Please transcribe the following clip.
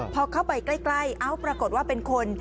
พอเข้าไปใกล้เอ้าปรากฏว่าเป็นคน